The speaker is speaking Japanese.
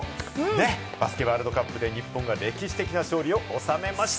バスケワールドカップで日本が歴史的な勝利をおさめました。